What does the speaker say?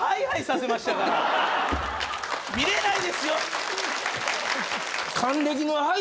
見れないですよ。